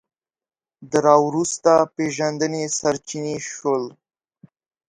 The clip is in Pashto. د راوروسته پېژندنې سرچینې شول